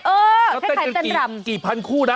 เขาเต้นกันกี่พันคู่นะ